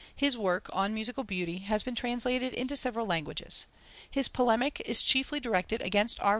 His work On Musical Beauty has been translated into several languages. His polemic is chiefly directed against R.